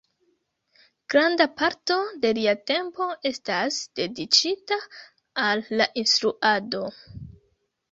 Granda parto de lia tempo estas dediĉita al la instruado.